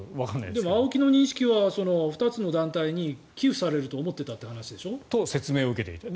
でもＡＯＫＩの認識は２つの団体に寄付されると思っていたという話でしょ？と説明を受けていた。